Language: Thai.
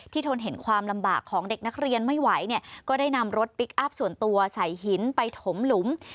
ทนเห็นความลำบากของเด็กนักเรียนไม่ไหวเนี่ยก็ได้นำรถพลิกอัพส่วนตัวใส่หินไปถมหลุม